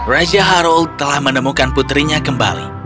raja harul telah menemukan putrinya kembali